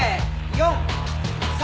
４３。